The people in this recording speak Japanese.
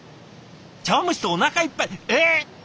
茶わん蒸しでおなかいっぱいえっ！？